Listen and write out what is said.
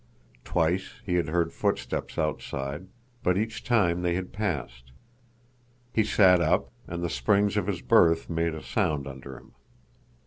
Twice he had heard footsteps outside, but each time they had passed. He sat up, and the springs of his berth made a sound under him.